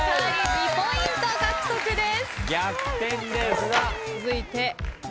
１ポイント獲得です。